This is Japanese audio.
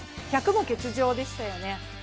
１００も欠場でしたよね